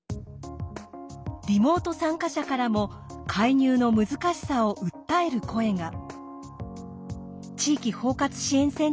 リモート参加者からも介入の難しさを訴える声が。